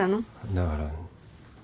だから。